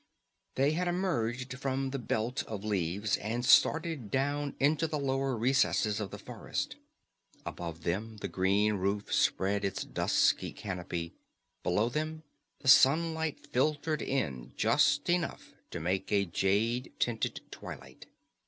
They had emerged from the belt of leaves, and stared down into the lower reaches of the forest. Above them the green roof spread its dusky canopy. Below them the sunlight filtered in just enough to make a jade tinted twilight.